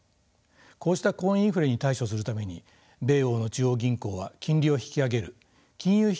こうした高インフレに対処するために米欧の中央銀行は金利を引き上げる金融引き締めを行っています。